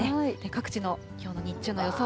各地のきょうの日中の予想